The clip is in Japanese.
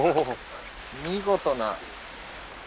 見事な。